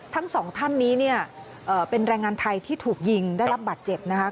ทั้งสองท่านนี้เนี่ยเป็นแรงงานไทยที่ถูกยิงได้รับบัตรเจ็บนะคะ